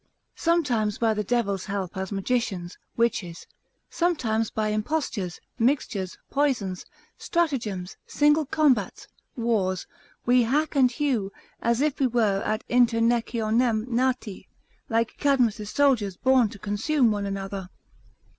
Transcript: Sometimes by the devil's help as magicians, witches: sometimes by impostures, mixtures, poisons, stratagems, single combats, wars, we hack and hew, as if we were ad internecionem nati, like Cadmus' soldiers born to consume one another.